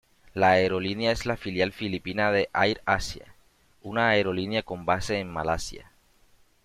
La aerolínea es la filial filipina de AirAsia, una aerolínea con base en Malasia.